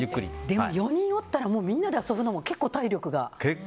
でも４人おったらみんなで遊ぶのも結構体力が。